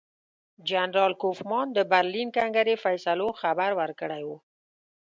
جنرال کوفمان د برلین کنګرې فیصلو خبر ورکړی وو.